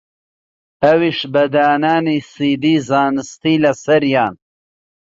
ئەویش بە دانانی سیدی زانستی لەسەریان